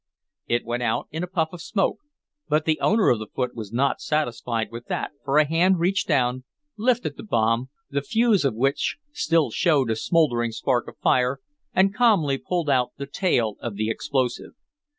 It went out in a puff of smoke, but the owner of the foot was not satisfied with that for a hand reached down, lifted the bomb, the fuse of which still showed a smouldering spark of fire, and calmly pulled out the "tail" of the explosive.